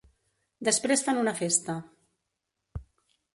Després fan una festa.